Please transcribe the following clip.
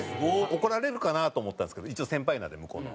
怒られるかなと思ったんですけど一応先輩なんで向こうの方が。なんの歌？